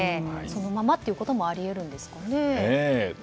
そのままということもあり得るんですかね。